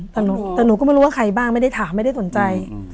แต่หนูก็ไม่รู้ว่าใครบ้างไม่ได้ถามไม่ได้สนใจ